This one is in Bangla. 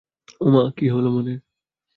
ওমা, কী হল মনের?